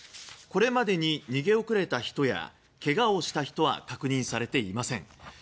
これまでに逃げ遅れた人やけがをした人は確認されていません。